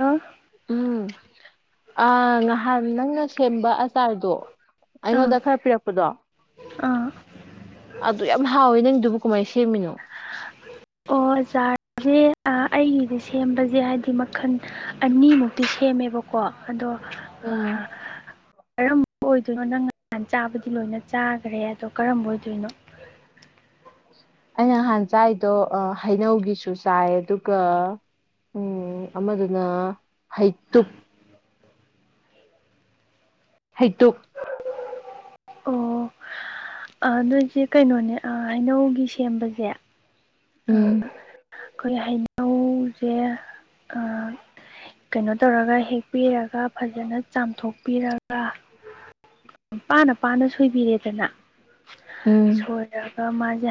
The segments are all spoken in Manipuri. ꯑꯥ ꯎꯝ ꯑ ꯉꯍꯥꯟ ꯅꯪꯅ ꯁꯦꯝꯕ ꯑꯆꯥꯔꯗꯣ ꯑꯥ ꯑꯩꯉꯣꯟꯗ ꯈꯔ ꯄꯤꯔꯛꯄꯗꯣ ꯑꯥ ꯑꯗꯨ ꯌꯥꯝ ꯍꯥꯎꯋꯤ ꯅꯪꯗꯨꯕꯨ ꯀꯃꯥꯏꯅ ꯁꯦꯝꯃꯤꯅꯣ ꯑꯣ ꯆꯥꯔꯁꯦ ꯑꯩꯒꯤꯁꯦ ꯁꯦꯝꯕꯁꯦ ꯍꯥꯏꯕꯗꯤ ꯃꯈꯟ ꯑꯅꯤꯃꯨꯛꯇꯤ ꯁꯦꯝꯃꯦꯕꯀꯣ ꯑꯗꯣ ꯑ ꯎꯝ ꯀꯔꯝꯕ ꯑꯣꯏꯗꯣꯏꯅꯣ ꯅꯪ ꯉꯥꯟ ꯆꯥꯕꯗꯤ ꯂꯣꯏꯅ ꯆꯥꯈ꯭ꯔꯦ ꯑꯗꯣ ꯀꯔꯝꯕ ꯑꯣꯏꯗꯣꯏꯅꯣ ꯑꯩꯅꯍꯥꯟ ꯆꯥꯏꯗꯣ ꯍꯩꯅꯧꯒꯤꯁꯨ ꯆꯥꯏ ꯑꯗꯨꯒ ꯎꯝ ꯑꯃꯗꯨꯅ ꯍꯩꯇꯨꯞ ꯍꯗꯨ ꯑꯣ ꯑꯗꯨ ꯏꯆꯦ ꯀꯩꯅꯣꯅꯦ ꯍꯩꯅꯧꯒꯤ ꯁꯦꯝꯕꯁꯦ ꯎꯝ ꯑꯩꯈꯣꯏ ꯍꯩꯅꯎꯁꯦ ꯀꯩꯅꯣ ꯇꯧꯔꯒ ꯍꯦꯛꯄꯤꯔꯒ ꯐꯖꯅ ꯆꯥꯝꯊꯣꯛꯄꯤꯔꯒ ꯄꯥꯅ ꯄꯥꯅ ꯁꯣꯏꯕꯤꯔꯦꯗꯅ ꯎꯝ ꯁꯣꯏꯔꯒ ꯃꯥꯁꯦ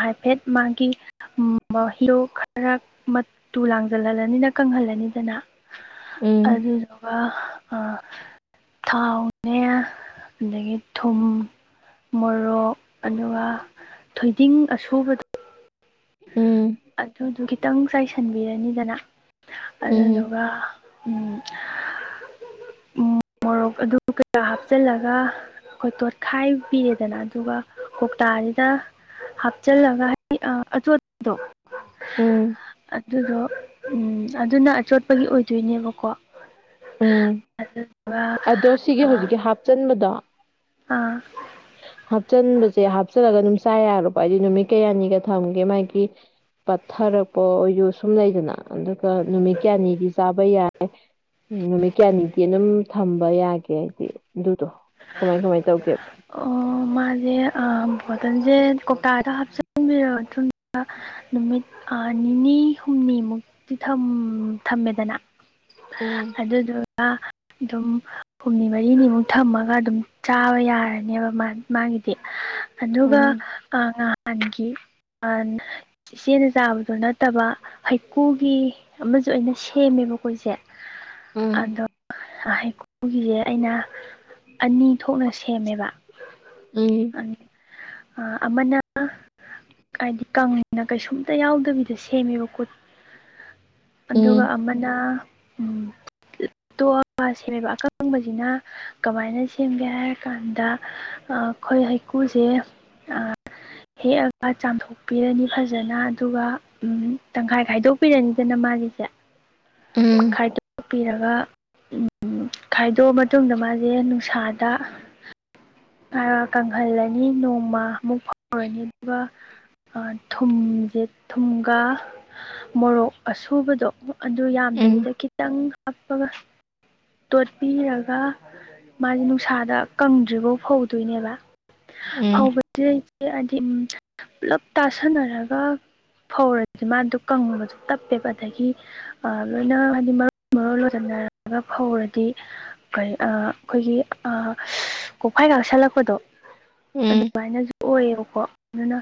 ꯍꯥꯏꯐꯦꯠ ꯃꯥꯒꯤ [unintelligible] ꯈꯔ ꯃꯇꯨ ꯂꯥꯡꯖꯜꯍꯜꯂꯅꯤꯅ ꯀꯪꯍꯜꯂꯅꯤꯗꯅ ꯎꯝ ꯑꯗꯨꯗꯨꯒ ꯑ ꯊꯥꯎꯅꯦ ꯑꯗꯒꯤ ꯊꯨꯝ ꯃꯣꯔꯣꯛ ꯑꯗꯨꯒ ꯊꯣꯏꯗꯤꯡ ꯑꯁꯨꯨꯕꯗ ꯎꯝ ꯑꯗꯨꯗꯨ ꯈꯤꯇꯪ ꯆꯥꯏꯁꯤꯟꯕꯤꯔꯅꯤꯗꯅ ꯎꯝ ꯑꯗꯨꯗꯨꯒ ꯎꯝ ꯎ ꯃꯣꯔꯣꯛ ꯑꯗꯨ ꯀꯌꯥ ꯍꯥꯞꯆꯤꯜꯂꯒ ꯑꯩꯈꯣꯏ ꯇꯣꯠꯈꯥꯏꯕꯤꯤꯔꯦꯗꯅ ꯑꯗꯨꯒ ꯀꯧꯇꯥꯁꯤꯗ ꯍꯥꯞꯆꯤꯜꯂꯒ ꯍꯥꯏꯗꯤꯗꯣ ꯎꯝ ꯑꯗꯨꯗꯣ ꯎꯝ ꯑꯗꯨꯅ ꯑꯆꯣꯠꯄꯒꯤ ꯑꯣꯏꯗꯣꯏꯅꯦꯕꯀꯣ ꯎꯝ ꯑꯥ ꯑꯗꯣ ꯁꯤꯒꯤ ꯍꯧꯖꯤꯛꯀꯤ ꯍꯥꯞꯆꯟꯕꯗꯣ ꯑꯥ ꯍꯥꯞꯆꯤꯟꯕꯁꯦ ꯍꯥꯞꯆꯜꯂꯒ ꯑꯗꯨꯝ ꯆꯥ ꯌꯥꯣꯕ ꯍꯥꯏꯗꯤ ꯅꯨꯃꯤꯠ ꯀꯌꯥꯅꯤꯒ ꯊꯝꯒꯦ ꯃꯥꯒꯤ ꯄꯠꯊꯔꯛꯄ ꯑꯣꯏꯔꯁꯨ ꯁꯨꯝ ꯂꯩꯗꯅ ꯑꯗꯨꯒ ꯅꯨꯃꯤꯠ ꯀꯌꯥꯅꯤꯗꯤ ꯆꯥꯕ ꯌꯥꯏ ꯍ ꯅꯨꯃꯤꯠ ꯀꯌꯥꯅꯤꯗꯤ ꯑꯗꯨꯝ ꯊꯝꯕ ꯌꯥꯒꯦ ꯍꯥꯏꯗꯤ ꯑꯗꯨꯗꯣ ꯀꯃꯥꯏ ꯀꯃꯥꯏꯅ ꯇꯧꯒꯦꯕ ꯑꯣ ꯃꯥꯁꯦ ꯕꯣꯇꯜꯁꯦ ꯀꯧꯇꯥꯗ ꯍꯥꯞꯆꯤꯟꯕꯤꯔꯕ ꯃꯇꯨꯡ ꯅꯨꯃꯤꯠ ꯅꯤꯅꯤ ꯍꯨꯝꯅꯤꯃꯨꯛꯇꯤ ꯊꯝꯃꯦꯗꯅ ꯎꯝ ꯑꯗꯨꯗꯨꯒ ꯑꯗꯨꯝ ꯍꯨꯝꯅꯤ ꯃꯔꯤꯅꯤꯃꯨꯛ ꯊꯝꯃꯒ ꯑꯗꯨ ꯆꯥꯕ ꯌꯥꯔꯅꯦꯕ ꯃꯥꯒꯤꯗꯤ ꯑꯗꯨꯒ ꯎꯝ ꯑꯒꯤ ꯏꯆꯦꯅ ꯆꯥꯕꯗꯨ ꯅꯠꯇꯕ ꯍꯩꯀꯨꯒꯤ ꯑꯃꯁꯨ ꯑꯩꯅ ꯁꯦꯝꯃꯦꯕ ꯑꯩꯏꯁꯦ ꯎꯝ ꯑꯗꯣ ꯍꯩꯀꯨꯒꯤꯁꯦ ꯑꯩꯅ ꯑꯅꯤ ꯊꯣꯛꯅ ꯁꯦꯝꯃꯦꯕ ꯎꯝ ꯑ ꯑꯃꯅ ꯍꯥꯏꯗꯤ ꯀꯪꯅ ꯀꯩꯁꯨꯝꯇ ꯌꯥꯎꯗꯕꯤꯗꯣ ꯁꯦꯝꯃꯦꯕꯀꯣꯠ ꯑꯗꯨꯒ ꯑ ꯁꯦꯝꯒꯦ ꯍꯥꯏꯔ ꯀꯥꯟꯗ ꯑꯩꯈꯣꯏ ꯍꯩꯀꯨꯁꯦ ꯍꯦꯛꯑꯒ ꯆꯥꯝꯊꯣꯛꯄꯤꯔꯅꯤ ꯐꯖꯅ ꯑꯗꯨꯒ ꯇꯪꯈꯥꯏ ꯈꯥꯏꯗꯣꯛꯄꯤꯔꯅꯤꯗꯅ ꯃꯥꯒꯤꯁꯦ ꯎꯝ [inaudible] ꯈꯥꯏꯗꯣꯛꯄꯤꯔꯒ ꯈꯥꯏꯗꯣꯛꯑ ꯃꯇꯨꯡꯗ ꯃꯥꯁꯦ ꯁꯥꯗ ꯈꯔ ꯀꯪꯍꯜꯂꯅꯤ ꯅꯣꯡꯃ ꯑꯃꯨꯛ ꯐꯥꯎꯔꯅꯤ ꯑꯗꯨꯒ ꯊꯨꯝꯁꯦ ꯊꯨꯝꯒ ꯃꯣꯔꯣꯛ ꯑꯁꯨꯕꯗꯣ ꯑꯗꯨ ꯎꯝ ꯌꯥꯝꯗꯕꯤꯗ ꯈꯤꯇꯪ ꯍꯥꯞꯄꯒ ꯇꯣꯠꯄꯤꯔꯒ ꯃꯥꯁꯦ ꯅꯨꯡꯁꯥꯗ ꯀꯪꯗ꯭ꯔꯤꯕꯐꯥꯎ ꯐꯧꯗꯣꯏꯅꯦꯕ ꯎꯝ ꯐ ꯎꯝ [unintelligible] ꯍꯥꯏꯗꯤ ꯄꯨꯂꯞ ꯇꯥꯁꯟꯅꯔꯒ ꯐꯧꯔꯁꯤꯗꯤ ꯃꯥꯗꯣ ꯀꯪꯉꯕꯁꯨ ꯇꯞꯄꯦꯕ ꯑꯗꯒꯤ ꯂꯣꯏꯅ ꯍꯥꯏꯗꯤ ꯃꯔ ꯃꯔꯣꯟ ꯂꯣꯏꯁꯤꯟꯅꯔꯒ ꯐꯧꯔꯗꯤ ꯀꯔꯤ ꯑꯩꯈꯣꯏꯒꯤ ꯀꯣꯛꯐꯥꯏꯒꯥꯛꯁꯜꯂꯛꯄꯗꯣ ꯑꯗꯨꯃꯥꯏꯅꯁꯨ ꯑꯣꯏꯌꯦꯕꯀꯣ ꯑꯗꯨꯅ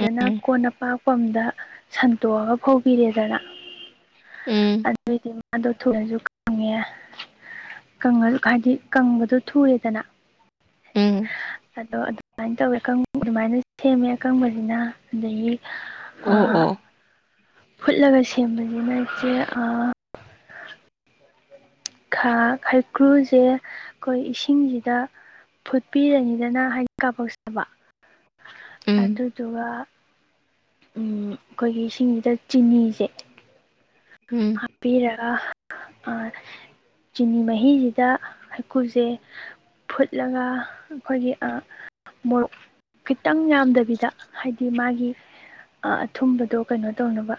ꯎꯝ ꯎꯝ ꯀꯣꯟꯅꯄꯥꯛ ꯝꯗ ꯁꯟꯇꯣꯛꯑꯒ ꯐꯧꯕꯤꯔꯦꯗꯅ ꯎꯝ ꯑꯗꯨꯏꯗꯤ ꯑꯗꯣ ꯊꯨꯅꯁꯨ ꯀꯪꯉꯦ ꯀꯪꯉꯁꯨ ꯍꯥꯏꯗꯤ ꯀꯪꯕꯗ ꯊꯨꯔꯦꯗꯅ ꯎꯝ ꯑꯗꯣ ꯑꯗꯨꯃꯥꯏꯅ ꯇꯧꯋꯦ ꯑꯀ ꯑꯗꯨꯃꯥꯏꯅ ꯁꯦꯝꯃꯦ ꯑꯀꯪꯕꯁꯤꯅ ꯑꯗꯒꯤ ꯑꯣ ꯑꯣ ꯐꯨꯠꯂꯒ ꯁꯦꯝꯕꯁꯤꯅ ꯏꯆꯦ ꯈ ꯈꯩꯀ꯭ꯔꯨꯁꯦ ꯑꯩꯈꯣꯏ ꯏꯁꯤꯡꯁꯤꯗ ꯐꯨꯠꯄꯤꯔꯅꯤꯗꯅ ꯍꯥꯏꯅꯤꯡ ꯀꯥꯄꯣꯛꯆꯕ ꯎꯝ ꯑꯗꯨꯗꯨꯒ ꯑꯩꯈꯣꯏꯒꯤ ꯁꯤꯡꯁꯤꯗ ꯆꯤꯅꯤꯁꯦ ꯎꯝ ꯍꯥꯞꯄꯤꯤꯔꯒ ꯆꯤꯅꯤ ꯃꯍꯤꯁꯤꯗ ꯍꯩꯀꯨꯁꯦ ꯐꯨꯠꯂꯒ ꯑꯩꯈꯣꯏꯒꯤ ꯃꯣꯔꯣꯛ ꯈꯤꯇꯪ ꯌꯥꯝꯗꯕꯤꯗ ꯍꯥꯏꯗꯤ ꯃꯥꯒꯤ ꯑꯊꯨꯝꯕꯗꯣ ꯀꯩꯅꯣ ꯇꯧꯅꯕ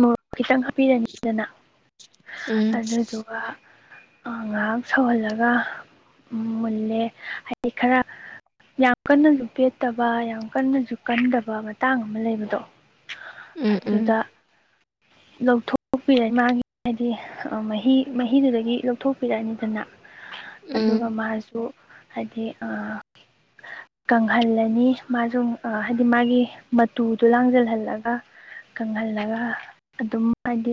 ꯃꯣꯔꯣꯛ ꯈꯤꯇꯪ ꯍꯥꯞꯄꯤꯔꯅꯤꯗꯅ ꯎꯝ ꯑꯗꯨꯗꯨꯒ ꯉꯥꯏꯍꯥꯛ ꯁꯧꯍꯜꯂꯒ ꯃꯨꯜꯂꯦ ꯍꯥꯏꯗꯤ ꯈꯔ ꯌꯥꯝ ꯀꯟꯅꯁꯨ ꯄꯦꯠꯇꯕ ꯌꯥꯝ ꯀꯟꯅꯁꯨ ꯀꯟꯗꯕ ꯇꯥꯡ ꯑꯃ ꯂꯩꯕꯗꯣ ꯎꯝ ꯎꯝ ꯑꯗꯨꯗ ꯂꯧꯊꯣꯛꯄꯤꯔꯛꯏ ꯃꯥꯒꯤ ꯍꯥꯏꯗꯤ ꯃꯍꯤ ꯃꯍꯤꯗꯨꯗꯒꯤ ꯂꯧꯊꯣꯛꯄꯤꯔꯛꯑꯅꯤꯗꯅ ꯎꯝ ꯑꯗꯨꯒ ꯃꯥꯁꯨ ꯍꯥꯏꯗꯤ ꯀꯪꯍꯜꯂꯅꯤ ꯃꯥꯁꯨ ꯍꯥꯏꯗꯤ ꯃꯥꯒꯤ ꯃꯇꯨꯗꯣ ꯂꯥꯡꯁꯤꯜꯍꯜꯂꯒ ꯀꯪꯍꯜꯂꯒ ꯑꯗꯨꯝ ꯍꯥꯏꯗꯤ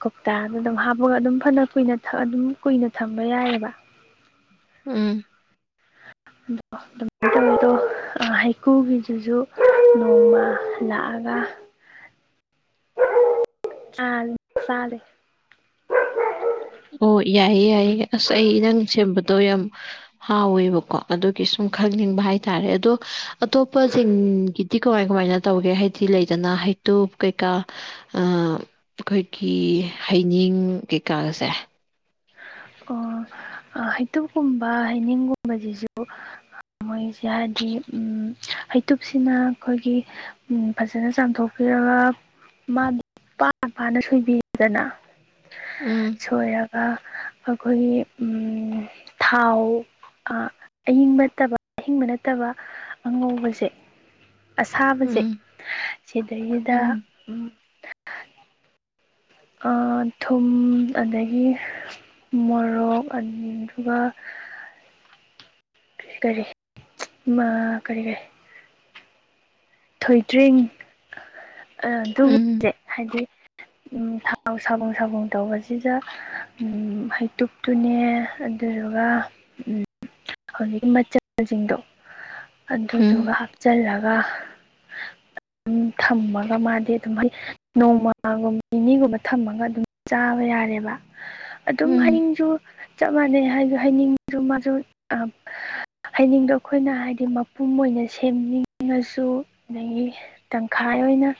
ꯀꯧꯇꯥꯗ ꯑꯗꯨꯝ ꯍꯥꯞꯄꯒ ꯑꯗꯨꯝ ꯐꯅ ꯀꯨꯏꯅ ꯑꯗꯨꯝ ꯀꯨꯏꯅ ꯊꯝꯕ ꯌꯥꯏꯑꯕ ꯎꯝ ꯃꯣ ꯍꯩꯀꯨꯒꯤꯗꯨꯁꯨ ꯅꯣꯡꯃ ꯂꯥꯛꯑꯒ ꯆ ꯆꯂꯦ [unintelligible] ꯑꯣ ꯌꯥꯏꯌꯦ ꯌꯥꯏꯌꯦ ꯑꯁ ꯑꯩ ꯅꯪ ꯁꯦꯝꯕꯗꯣ ꯌꯥꯝ ꯍꯥꯎꯋꯦꯕꯀꯣ ꯑꯗꯨꯒꯤ ꯁꯨꯝ ꯈꯪꯅꯤꯡꯕ ꯍꯥꯏꯇꯥꯔꯦ ꯑꯗꯣ ꯑꯇꯣꯞꯄꯁꯤꯡꯒꯤ ꯇꯤ ꯀꯃꯥꯏ ꯀꯃꯥꯏꯅ ꯇꯧꯒꯦ ꯍꯥꯏꯗꯤ ꯂꯩꯗꯅ ꯍꯩꯇꯨꯞ ꯀꯩꯀꯥ ꯑꯩꯈꯣꯏꯒꯤ ꯍꯩꯅꯤꯡ ꯀꯩꯀꯥꯁꯦ ꯑꯣ ꯍꯩꯇꯨꯞꯀꯨꯝꯕ ꯍꯩꯅꯤꯡꯒꯨꯝꯕꯁꯤꯁꯨ ꯃꯣꯏꯁꯦ ꯍꯥꯏꯗꯤ ꯍꯩꯇꯨꯞꯁꯤꯅ ꯑꯩꯈꯣꯏꯒꯤ ꯎꯝ ꯐꯖꯅ ꯆꯥꯝꯊꯣꯛꯄꯤꯔꯒ ꯃꯥ ꯄꯥ ꯄꯥꯅ ꯁꯣꯏꯕꯤꯗꯅ ꯎꯝ ꯁꯣꯏꯔꯒ ꯑꯩꯈꯣꯏꯒꯤ ꯊꯥꯎ ꯑꯌꯤꯡꯕ ꯅꯠꯇꯕ ꯑꯍꯤꯡꯕ ꯅꯠꯇꯕ ꯑꯉꯧꯕꯁꯦ ꯑꯁꯥꯕꯁꯦ ꯎꯝ ꯁꯤꯗꯩꯁꯤꯗ ꯎꯝ ꯊꯨꯝ ꯑꯗꯒꯤ ꯃꯣꯔꯣꯛ ꯑꯗꯨꯒ ꯀꯔꯤ ꯃꯥ ꯀꯔꯤ ꯀꯔꯤ ꯊꯣꯏꯗ꯭ꯔꯤꯡ ꯎꯝ ꯑꯗꯨꯒꯕꯁꯦ ꯍꯥꯏꯗꯤ ꯊ ꯁꯥꯕꯨꯡ ꯁꯥꯕꯨꯡ ꯇꯧꯕꯁꯤꯗ ꯍꯩꯇꯨꯞꯇꯨꯅꯦ ꯑꯗꯨꯗꯨꯒ ꯍꯧꯖꯤꯛꯀꯤ ꯃꯆꯜꯁꯤꯡꯗꯣ ꯎꯝ ꯑꯗꯨꯗꯨꯒ ꯍꯥꯞꯆꯤꯜꯂꯒ ꯑꯗꯨꯝ ꯊꯝꯃꯒ ꯃꯥꯗꯤ ꯑꯗꯨꯝꯗꯤ ꯅꯣꯡꯃꯒꯨꯝ ꯅꯤꯅꯤꯒꯨꯝꯕ ꯊꯝꯃꯒ ꯑꯗꯨꯝ ꯆꯥꯕ ꯌꯥꯔꯦꯕ ꯑꯗꯨꯝ ꯎꯝ ꯍꯥꯏꯅꯤꯡꯁꯨ ꯆꯞ ꯃꯥꯟꯅꯩ ꯍꯥꯏ ꯍꯥꯏꯅꯤꯡꯕꯁꯨ ꯃꯥꯁꯨ ꯑ ꯍꯥꯏꯅꯤꯡꯗꯣ ꯑꯩꯈꯣꯏꯅ ꯍꯥꯏꯗꯤ ꯃꯄꯨꯝ ꯑꯣꯏꯅ ꯁꯦꯝꯅꯤꯡꯉꯁꯨ ꯑꯗꯒꯤ ꯇꯪꯈꯥꯏ ꯑꯣꯏꯅ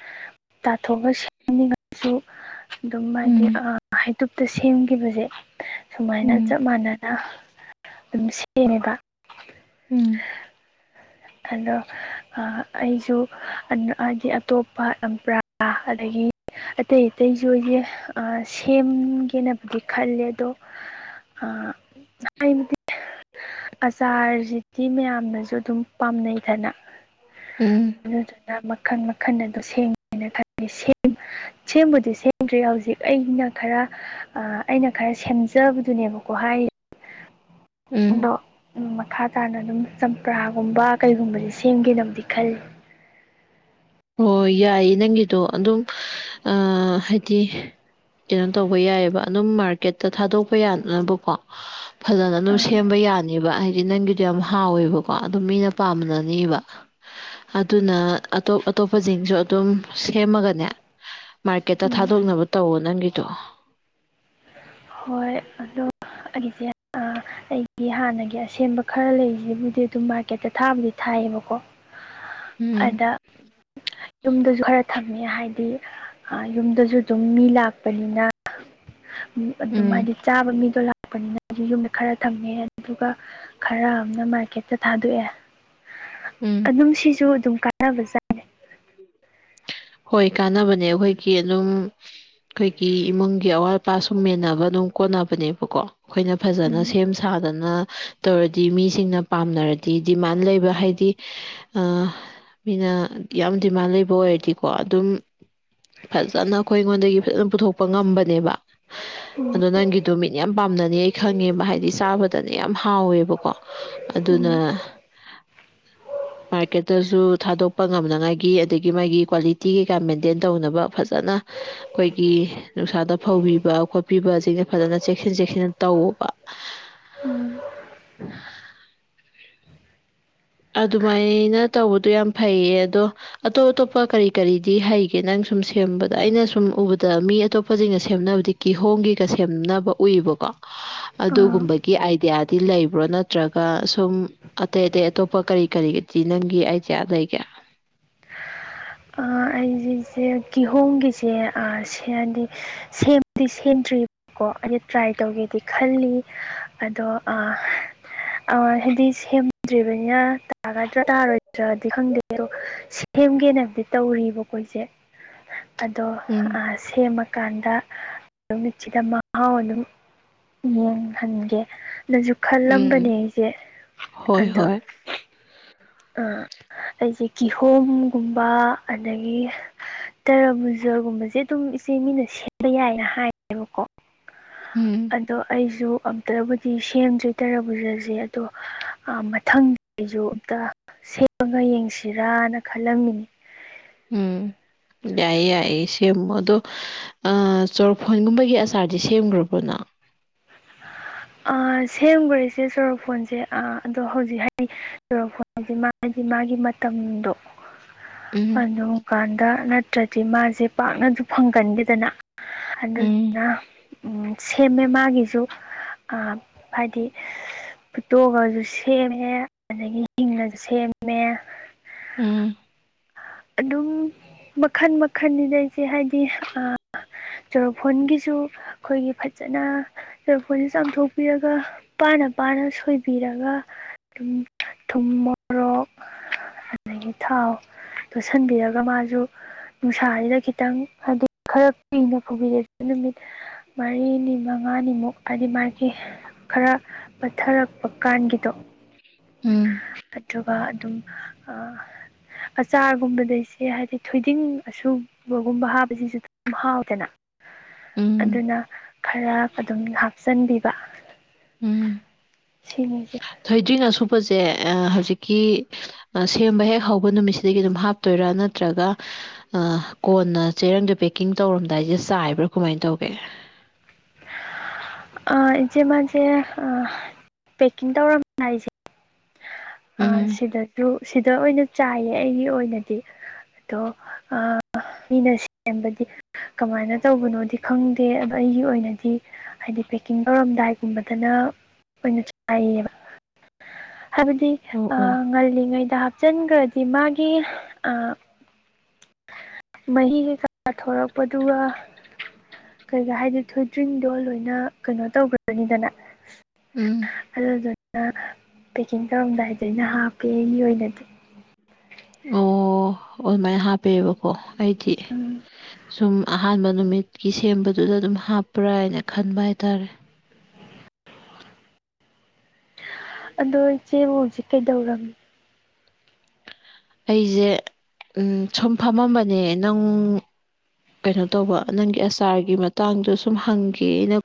ꯇꯥꯊꯣꯛꯑꯒ ꯁꯦꯝꯅꯤꯡꯉꯁꯨ ꯑꯗꯨꯝ ꯍꯥꯏꯗꯤ ꯎꯝ ꯍꯩꯇꯨꯞꯇ ꯁꯦꯝꯈꯤꯕꯁꯦ ꯁꯨꯃꯥꯏꯅ ꯎꯝ ꯆꯞ ꯃꯥꯟꯅꯅ ꯑꯗꯨꯝ ꯁꯤꯅꯦꯕ ꯎꯝ ꯑꯗꯣ ꯑ ꯑꯩꯁꯨ ꯍꯥꯏꯗꯤ ꯑꯇꯣꯞꯄ ꯑꯝꯄ꯭ꯔꯥ ꯑꯗꯒꯤ ꯑꯇꯩ ꯑꯇꯩꯁꯨ ꯑꯩꯁꯦ ꯁꯦꯝꯒꯦꯅꯕꯨꯗꯤ ꯈꯜꯂꯦ ꯑꯗꯣ ꯍꯥꯏꯕꯗꯤ ꯑꯆꯥꫪꯁꯤꯗꯤ ꯃꯌꯥꯝꯅꯁꯨ ꯑꯗꯨꯝ ꯄꯥꯝꯅꯩꯗꯅ ꯎꯝ ꯑꯗꯨꯗꯨꯅ ꯃꯈꯜ ꯃꯈꯜ ꯑꯗꯨꯝ ꯁꯦꯝꯒꯦꯅ ꯈꯂꯜꯂꯤ ꯁꯦꯝ ꯁꯦꯝꯕꯨꯗꯤ ꯁꯦꯝꯗ꯭ꯔꯤ ꯍꯧꯖꯤꯛ ꯑꯩꯅ ꯈꯔ ꯑꯩꯅ ꯈꯔ ꯁꯦꯝꯖꯕꯗꯨꯅꯦꯕꯀꯣ ꯍꯥꯏꯔꯤ ꯎꯝ ꯑꯗꯣ ꯃꯈꯥ ꯇꯥꯅ ꯑꯗꯨꯝ ꯆꯝꯄ꯭ꯔꯥ ꯒꯨꯝꯕ ꯀꯩꯒꯨꯝꯕꯁ ꯁꯦꯝꯒꯦꯅꯕꯨꯗꯤ ꯈꯜꯂꯤ ꯍꯣꯏ ꯌꯥꯏꯌꯦ ꯅꯪꯒꯤꯗꯣ ꯑꯗꯨꯝ ꯑ ꯍꯥꯏꯗꯤ ꯀꯩꯅꯣ ꯇꯧꯕ ꯌꯥꯏꯑꯕ ꯑꯗꯨꯝ ꯃꯥꯔꯀꯦꯠꯇ ꯊꯥꯗꯣꯛꯄ ꯌꯥꯅꯕꯀꯣ ꯐꯖꯅ ꯑꯗꯨꯝ ꯑꯥ ꯁꯦꯝꯕ ꯌꯥꯅꯦꯕ ꯍꯥꯏꯗꯤ ꯅꯪꯒꯤ ꯌꯥꯝ ꯍꯥꯎꯋꯦꯕꯀꯣ ꯑꯗꯨ ꯃꯤꯅ ꯄꯥꯃꯤꯅꯅꯦꯕ ꯑꯗꯨꯅ ꯑꯇꯣꯞ ꯑꯇꯣꯞꯄꯁꯤꯡꯁꯨ ꯑꯗꯨꯝ ꯁꯦꯝꯃꯒꯅꯦ ꯃꯥꯔꯀꯦꯠꯇ ꯎꯝ ꯊꯥꯗꯣꯛꯅꯕ ꯇꯧꯋꯣ ꯅꯪꯒꯤꯗꯣ ꯍꯣꯏ ꯑꯗꯨ ꯑꯩꯒꯤꯁꯦ ꯒꯤ ꯍꯥꯟꯅꯒꯤ ꯑꯁꯦꯡꯕ ꯈꯔ ꯂꯩꯔꯤꯁꯤꯕꯨꯗꯤ ꯑꯗꯨꯝ ꯃꯥꯔꯀꯦꯠꯇ ꯊꯥꯕꯨꯗꯤ ꯊꯥꯏꯌꯦꯕꯀꯣ ꯎꯝ ꯑꯗ ꯌꯨꯝꯗꯁꯨ ꯈꯔ ꯊꯝꯃꯦ ꯍꯥꯏꯗꯤ ꯌꯨꯝꯗꯁꯨ ꯑꯗꯨꯝ ꯃꯤ ꯂꯥꯛꯄꯅꯤꯅ ꯑꯗꯨꯝ ꯎꯝ ꯍꯥꯏꯗꯤ ꯆꯥꯕ ꯃꯤꯗꯣ ꯂꯥꯛꯄꯅꯤꯅ ꯑꯩꯁꯨ ꯌꯨꯝꯗ ꯈꯔ ꯊꯝꯃꯦ ꯑꯗꯨꯗꯨꯒ ꯈꯔ ꯑꯝꯅ ꯃꯥꯔꯀꯦꯠꯇ ꯊꯥꯗꯣꯛꯑꯦ ꯎꯝ ꯑꯗꯨꯝ ꯁꯤꯁꯨ ꯑꯗꯨꯝ ꯀꯥꯟꯅꯕ ꯖꯠ ꯍꯣꯏ ꯀꯥꯟꯅꯕꯅꯦ ꯑꯩꯈꯣꯏꯒꯤ ꯑꯗꯨꯝ ꯑꯩꯈꯣꯏꯒꯤ ꯏꯃꯨꯡꯒꯤ ꯑꯋꯥꯠ ꯑꯄꯥ ꯁꯨꯝ ꯃꯦꯟꯅꯕ ꯑꯗꯨꯝ ꯀꯣꯟꯅꯕꯅꯦꯕꯀꯣ ꯑꯩꯈꯣꯏꯅ ꯐꯖꯅ ꯁꯦꯝ ꯁꯥꯗꯅ ꯇꯧꯔꯗꯤ ꯃꯤꯁꯤꯡꯅ ꯄꯥꯝꯅꯔꯗꯤ ꯗꯤꯃꯥꯟ ꯂꯩꯕ ꯍꯥꯏꯗꯤ ꯑ ꯃꯤꯅ ꯌꯥꯝ ꯗꯤꯃꯥꯟ ꯂꯩꯕ ꯑꯣꯏꯔꯗꯤ ꯀꯣ ꯑꯗꯨꯝ ꯐꯖꯅ ꯑꯩꯈꯣꯏ ꯑꯩꯉꯣꯟꯗꯒꯤ ꯐꯖꯅ ꯄꯨꯊꯣꯛꯄ ꯉꯝꯕꯅꯦꯕ ꯎꯝ ꯑꯗꯣ ꯅꯪꯒꯤꯗꯣ ꯃꯤꯅ ꯌꯥꯝ ꯄꯥꯝꯅꯅꯤ ꯑꯩ ꯈꯪꯉꯦꯕ ꯍꯥꯏꯗꯤ ꯆꯥꯕꯗꯅꯦ ꯌꯥꯝ ꯍꯥꯎꯋꯦꯕꯀꯣ ꯑꯗꯨꯅ ꯃꯥꯔꯀꯦꯠꯇꯁꯨ ꯊꯥꯗꯣꯛꯄ ꯉꯝꯅꯉꯥꯏꯒꯤ ꯑꯗꯒꯤ ꯃꯥꯒꯤ ꯀ꯭ꯋꯥꯂꯤꯇꯤ ꯇꯤ ꯀꯩꯀꯥ ꯃꯦꯟꯇꯦꯟ ꯇꯧꯅꯕ ꯐꯖꯅ ꯑꯩꯈꯣꯏꯒꯤ ꯅꯨꯡꯁꯥꯗ ꯐꯧꯕꯤꯕ ꯈꯣꯠꯄꯤꯕꯁꯤꯡꯅ ꯐꯖꯅ ꯆꯦꯛꯁꯤꯟ ꯆꯦꯛꯁꯤꯟꯅ ꯇꯧꯋꫭꯕ ꯎꯝ ꯑꯗꯨꯃꯥꯏꯅ ꯇꯧꯕꯗꯣ ꯌꯥꯝ ꯐꯩꯌꯦ ꯑꯗꯣ ꯑꯇꯣꯞ ꯑꯇꯣꯞꯄ ꯀꯔꯤ ꯀꯔꯤꯗꯤ ꯍꯩꯒꯦ ꯅꯪ ꯁꯨꯝ ꯁꯦꯝꯕꯗ ꯑꯩꯅ ꯁꯨꯝ ꯎꯕꯗ ꯃꯤ ꯑꯇꯣꯞꯄꯁꯤꯡꯅ ꯁꯦꯝꯅꯕꯗꯤ ꯀꯤꯍꯣꯝꯒꯤꯒ ꯁꯦꯝꯅꯕ ꯎꯏꯕꯀꯣ [inaudible] ꯑꯗꯨꯒꯨꯝꯕꯒꯤ ꯑꯥꯏꯗꯤꯌꯥꯗꯤ ꯂꯩꯕ꯭ꯔꯣ ꯅꯠꯇ꯭ꯔꯒ ꯁꯨꯝ ꯑꯇꯩ ꯑꯇꯩ ꯑꯇꯣꯞ ꯄ ꯀꯔꯤ ꯀꯔꯤꯒꯤꯗꯤ ꯅꯪꯒꯤ ꯑꯥꯏꯗꯤꯌꯥ ꯂꯩꯒꯦ ꯑ ꯑꯩꯖꯤ ꯏꯆꯦ ꯀꯤꯍꯣꯝꯒꯤꯁꯦ ꯑ ꯁꯤꯗꯗꯤ ꯁꯦꯝꯗꯤ ꯁꯦꯝꯗ꯭ꯔꯤ ꯀꯣ ꯑꯩꯖ ꯇ꯭ꯔꯥꯏ ꯇꯧꯒꯦꯗꯤ ꯈꯜꯂꯤ ꯑꯗꯣ ꯑ ꯑꫭ ꯍꯥꯏꯗꯤ ꯁꯦꯝꯗ꯭ꯔꯤꯕꯅꯤꯅ ꯇꯥꯒꯗ꯭ꯔ ꯇꯥꯔꯣꯏꯗ꯭ꯔꯗꯤ ꯈꯪꯗꯦ ꯑꯗꯣ ꯁꯦꯝꯒꯦꯅ ꯕꯨꯗꯤ ꯇꯧꯔꯤꯕꯔꯤꯕꯀꫭ ꯏꯆꯦ ꯑꯗꯣ ꯎꯝ ꯑ ꯁꯦꯝꯃꯀꯥꯟꯗ ꯅꯨꯃꯤꯠꯁꯤꯗ ꯃꯍꯥꯎ ꯑꯗꯨꯝ ꯌꯦꯡꯍꯟꯒꯦ ꯑꯗꯨꯁꯨ ꯎꯝ ꯈꯜꯂꯝꯕꯅꯦ ꯑꯩꯁꯦ ꯍꯣꯏ ꯑꯗꯣ ꯍꯣꯏ ꯑꯥ ꯑꯩꯁꯦ ꯀꯤꯍꯣꯝꯒꯨꯝꯕ ꯑꯗꯒꯤ ꯇꯔ ꯃꯨꯖꯔꯒꯨꯝꯕꯁꯦ ꯑꯗꯨꯝ ꯏꯆꯦ ꯃꯤꯅ ꯁꯦꯝꯕ ꯌꯥꯏꯅ ꯍꯥꯏꯌꯦꯕꯀꯣ ꯎꯝ ꯑꯗꯣ ꯑꯩꯁꯨ ꯑꯝꯇꯕꯨꯗꯤ ꯁꯦꯝꯖꯣꯏ ꯇꯔ ꯖꯁꯦ ꯑꯗꯣ ꯃꯊꯪ ꯑꯩꯖ ꯑꯝꯇ ꯁꯦꯝꯃꯒ ꯌꯦꯡꯁꯤꯔꯥꯅ ꯈꯜꯂꯝꯃꯤꯅꯤ ꯎꯝ ꯌꯥꯏ ꯌꯥꯏ ꯁꯃꯗ ꯆꯣꯔꯐꯣꯟꯒꯨꯝꯕꯒꯤ ꯑꯆꯥꯔꯗꯤ ꯁꯦꯝꯈ꯭ꯔꯕ꯭ꯔꯣꯅ ꯁꯦꯝꯈ꯭ꯔꯦ ꯏꯆꯦ ꯆꯣꯔꯣꯐꯣꯟꯁꯦ ꯑꯗꯣ ꯍꯧꯖꯤꯛ ꯍꯥꯏꯔꯤ ꯆꫭꯔꫭꯐꫭꯟ ꯍꯥꯏꯗꯤ ꯃꯥꯒꯤ ꯃꯥꯒꯤ ꯃꯇꯝꯗꯣ ꯎꯝ ꯑꯗꯨꯝꯀꯥꯟꯗ ꯅꯠꯇ꯭ꯔꯗꯤ ꯃꯥꯁꯦ ꯄꯥꯛꯅꯁꯨ ꯐꯪꯒꯟꯕꯦꯗꯅ ꯎꯝ ꯑꯗꯨꯗꯨꯅ ꯎꯝ ꯁꯦꯝꯃꯦ ꯃꯥꯒꯤꯁꯨ ꯑ ꯍꯥꯏꯗꯤ ꯐꯨꯠꯇꯣꯛꯑꯁꯨ ꯁꯦꯝꯃꯦ ꯑꯗꯒꯤ ꯍꯤꯡꯅꯁꯨ ꯁꯦꯝꯃꯦ ꯎꯝ ꯑꯗꯨꯝ ꯃꯈꯟ ꯃꯈꯟꯅꯤꯗ ꯏꯆꯦ ꯍꯥꯏꯗꯤ ꯑ ꯏꯁꯇꯣꯔꯣ ꯐꯣꯟꯒꯤꯁꯨ ꯑꯩꯈꯣꯏꯒꯤ ꯐꯖꯅ ꯇꯐꯣꯣꯟꯁꯦ ꯆꯥꯝꯊꯣꯛꯄꯤꯔꯒ ꯄꯥꯅ ꯄꯥꯅ ꯁꯣꯏꯕꯤꯔꯒ ꯊꯨꯝ ꯃꯣꯔꯣꯛ ꯑꯗꯒꯤ ꯊꯥꯎ ꯇꯣꯠꯁꯤꯟꯕꯤꯔꯒ ꯃꯥꯁꯨ ꯅꯨꯡꯁꯥꯁꯤꯗ ꯈꯤꯇꯪ ꯍꯥꯏꯗꯤ ꯈꯔ ꯀꯨꯏꯅ ꯐꯧꯕꯕꯤꯔ ꯅꯨꯃꯤꯠ ꯃꯔꯤꯅꯤ ꯃꯉꯥꯅꯤꯃꯨꯛ ꯍꯥꯏꯗꯤ ꯃꯥꯒꯤ ꯈꯔ ꯄꯠꯊꯔꯛꯄ ꯀꯥꯟꯒꯤꯗꯣ ꯎꯝ ꯑꯗꯨꯒ ꯑꯗꯨꯝ ꯑꯆꯥꯔꯒꯨꯝꯕꯗꯩꯁꯦ ꯍꯥꯏꯗꯤ ꯊꯣꯏꯗꯤꯡ ꯑꯁꯨꯝ ꯕꯒꯨꯝꯕ ꯍꯥꯞꯕꯁꯤꯁꯨ ꯑꯗꯨꯝ ꯍꯥꯎꯗꯅ ꯎꯝ ꯑꯗꯨꯅ ꯈꯔ ꯑꯗꯨꯝ ꯍꯥꯞꯆꯤꯟꯕꯤꯕ ꯎꯝ ꯁꯤꯁ ꯊꯣꯏꯗ꯭ꯔꯤꯡ ꯑꯁꯨꯄꯁꯦ ꯍꯧꯖꯤꯛꯀꯤ ꯁꯦꯝꯕ ꯍꯦꯛ ꯍꯧꯕ ꯅꯨꯃꯤꯠꯁꯤꯗꯒꯤ ꯑꯗꯨꯝ ꯍꯥꯞ ꯇꯣꯏꯔꯥ ꯅꯠꯇ꯭ꯔꯒ ꯑ ꯀꯣꯟꯅ ꯆꯦꯔꯪꯗꯣ ꯄꯦꯛꯀꯤꯡ ꯇꯧꯔꯝꯗꯥꯏꯁꯦ ꯆꯥꯏꯕ꯭ꯔꯥ ꯀꯃꯥꯏꯅ ꯇꯧꯒꯦ ꯏꯆꯦ ꯃꯥꯁꯦ ꯄꯦꯛꯀꯤꯡ ꯇꯧꯔꯝꯕ ꯍꯥꯏꯁꯦ ꯎꯝ ꯁꯤꯗꯁꯨ ꯁꯤꯗ ꯑꯣꯏꯅ ꯆꯥꯏꯌꯦ ꯑꯩꯒꯤ ꯑꯣꯏꯅꯗꯤ ꯑꯗꯣ ꯑ ꯃꯤꯅ ꯁꯦꯝꯕꯗꯤ ꯀꯃꯥꯏꯅ ꯇꯧꯕꯅꯣꯗꯤ ꯈꯪꯗꯦ ꯑꯗꯣ ꯑꯩꯒꯤ ꯑꯣꯏꯅꯗꯤ ꯍꯥꯏꯗꯤ ꯄꯦꯛꯀꯤꯡ ꯇꯧꯔꯝꯗꯥꯏꯒꯨꯝꯕꯗꯅ ꯑꯣꯏꯅ ꯆꯥꯏꯌꯦꯕ ꯍꯥꯏꯕꯗꯤ ꯑꯣ ꯑꯣ ꯉꯜꯂꯤꯉꯩꯗ ꯍꯥꯞꯆꯤꯟꯈ꯭ꯔꯗꯤ ꯃꯥꯒꯤ ꯃꯍꯤ ꯀꯩꯀꯥ ꯊꯣꯔꯛꯄꯗꯨꯒ ꯀꯩꯀ ꯍꯥꯏꯗꯤ ꯊꯣꯏꯗ꯭ꯔꯤꯡꯗꯣ ꯂꯣꯏꯅ ꯀꯩꯅꯣ ꯇꯧꯈ꯭ꯔꯅꯤꯗꯅ ꯎꯝ ꯑꯗꯨꯗꯨꯅ ꯄꯦꯛꯀꯤꯡ ꯇꯧꯔꯝꯗꯥꯏꯗ ꯑꯩꯅ ꯍꯥꯞꯄꯦ ꯑꯩꯒꯤ ꯑꯣꯏꯅꯗꯤ ꯑꯣ ꯑꯗꯨꯃꯥꯏꯅ ꯍꯥꯞꯄꯦꯕꯀꯣ ꯂꯩꯗꯤ ꯑꯗꯨ ꯁꯨꯝ ꯑꯍꯥꯟꯕ ꯅꯨꯃꯤꯠꯀꯤ ꯁꯦꯝꯕꯗꯨꯗ ꯑꯗꯨꯝ ꯍꯥꯞꯄ꯭ꯔꯥ ꯍꯥꯏꯅ ꯈꯟꯕ ꯍꯥꯏꯇꯥꯔꯦ ꯑꯗꯣ ꯏꯆꯦꯕꯨ ꯍꯧꯖꯤꯛ ꯀꯩꯗꯧꯔꯕꯝꯅꯤ ꯑꯩꯁꯦ ꯁꯨꯝ ꯐꯝꯃꯝꯕꯅꯦ ꯅꯪ ꯀꯩꯅꯣ ꯇꯧꯕ ꯅꯪꯒꯤ ꯑꯆꯥꯥꯔꯒꯤ ꯃꯇꯥꯡꯗꯣ ꯁꯨꯝ ꯍꯪꯒꯦꯅ